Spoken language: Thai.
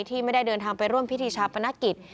ที่ไม่ได้เดินทางไปร่วมพิธีชาปนกิจ